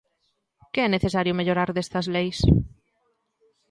Que é necesario mellorar destas leis?